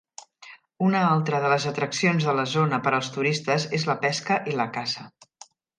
Una altra de les atraccions de la zona per als turistes és la pesca i la caça.